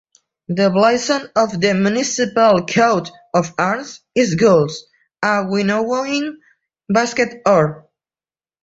The blazon of the municipal coat of arms is Gules, a Winnowing-basket Or.